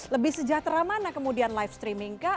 lebih sejahtera mana kemudian live streaming kah